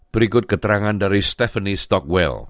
berikut keterangan dari stephanney stockwell